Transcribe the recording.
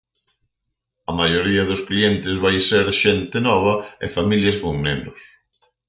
A maioría dos clientes vai ser xente nova e familias con nenos.